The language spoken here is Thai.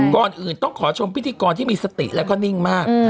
ก่อนอื่นต้องขอชมพิธีกรที่มีสติแล้วก็นิ่งมาก